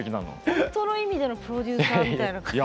ほんとの意味でのプロデューサーみたいな感じ。